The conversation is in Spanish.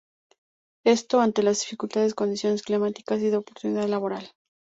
Esto, ante las difíciles condiciones climáticas y de oportunidad laboral.